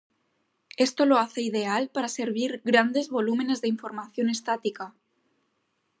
Esto lo hace ideal para servir grandes volúmenes de información estática.